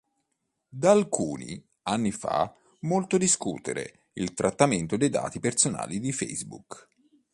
Da alcuni anni fa molto discutere il trattamento dei dati personali di Facebook.